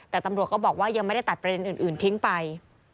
แต่ตำรวจก็บอกว่ายังไม่ได้ตัดประเด็นอื่นทิ้งไป